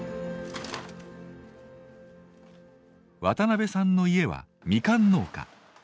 渡部さんの家はみかん農家。